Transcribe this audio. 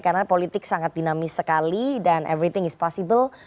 karena politik sangat dinamis sekali dan everything is possible